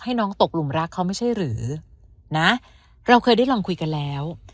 น้องตกหลุมรักเขาไม่ใช่หรือนะเราเคยได้ลองคุยกันแล้ว